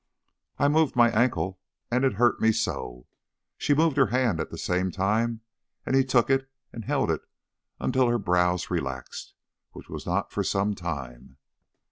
"I moved my ankle and it hurt me so!" She moved her hand at the same time, and he took it, and held it until her brows relaxed, which was not for some time.